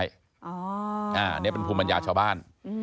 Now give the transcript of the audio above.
อันนี้เป็นภูมิปัญญาชาวบ้าน